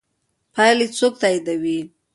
پایلې څوک تاییدوي؟